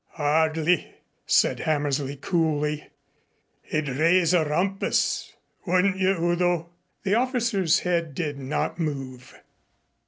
"Hardly," said Hammersley coolly. "He'd raise a rumpus. Wouldn't you, Udo?" The officer's head did not move.